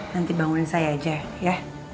nanti bangun saya aja ya